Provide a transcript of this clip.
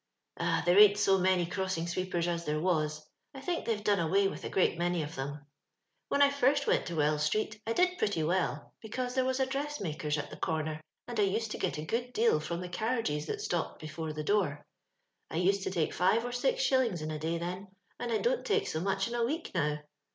" Ah ! there ain't so many crossing sweepers as there was ; I think they've done away with a great many of them. »*Wlien 1 first went to Wells street, I did pretty well, because there was a dress maker's at the comer, and I used to get a good deal from the carriages that stopped before the door. I used to take five or six shillings in a day then, and I don't take so much in a week now.